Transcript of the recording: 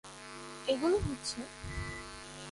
এগুলো হচ্ছেঃ